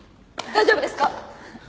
大丈夫です。